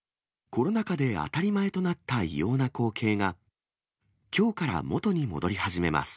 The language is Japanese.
コロナ禍で当たり前となった異様な光景が、きょうから元に戻り始めます。